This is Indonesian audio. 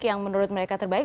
yang menurut mereka terbaik